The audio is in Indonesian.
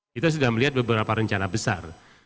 kita sudah melihat beberapa rencana besar